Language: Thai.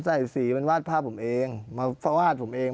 สีมันวาดภาพผมเองมาฟาดผมเอง